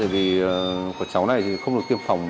vì cháu này không được tiêm phòng